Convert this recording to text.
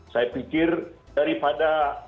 saya pikir daripada